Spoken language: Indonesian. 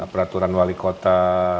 peraturan wali kota